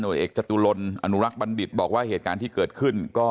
โดยเอกจตุลนอนุรักษ์บัณฑิตบอกว่าเหตุการณ์ที่เกิดขึ้นก็